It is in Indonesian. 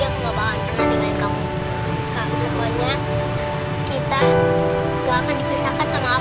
aku enggak bakal pernah tinggalin kamu